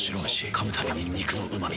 噛むたびに肉のうま味。